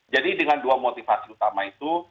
jadi dengan dua motivasi utama itu